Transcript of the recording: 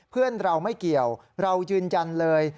เพื่อนเราไม่เกี่ยวเรายืนยันเลย